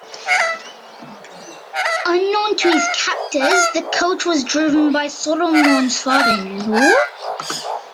Unknown to his captors, the coach was driven by Solomon's father-in-law.